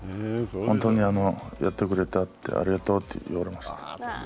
本当にやってくれたってありがとうって言われました。